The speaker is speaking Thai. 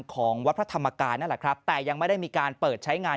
ของวัดพระธรรมกายนั่นแหละครับแต่ยังไม่ได้มีการเปิดใช้งาน